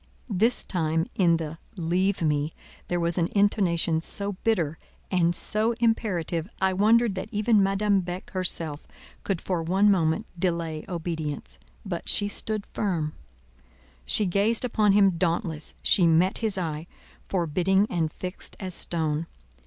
_" This time, in the "leave me" there was an intonation so bitter and so imperative, I wondered that even Madame Beck herself could for one moment delay obedience; but she stood firm; she gazed upon him dauntless; she met his eye, forbidding and fixed as stone.